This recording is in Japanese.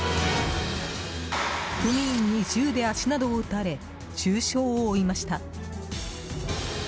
組員に銃で足などを撃たれ重傷を負いました。